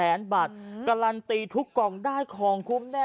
เราให้แบบคุ้มนะ